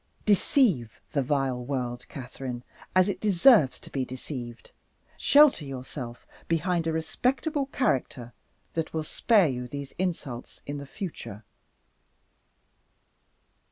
Deceive the vile world, Catherine, as it deserves to be deceived. Shelter yourself behind a respectable character that will spare you these insults in the future."